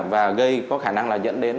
và gây có khả năng là dẫn đến